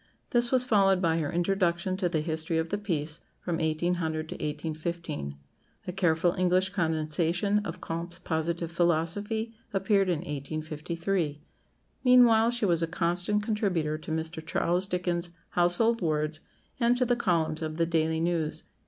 This was followed by her "Introduction to the History of the Peace, from 1800 to 1815." A careful English condensation of Comte's "Positive Philosophy" appeared in 1853. Meanwhile she was a constant contributor to Mr. Charles Dickens's "Household Words," and to the columns of the "Daily News."